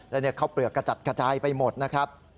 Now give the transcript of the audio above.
แล้วข้าวเปลือกกระจัดกระจายไปหมดนะครับ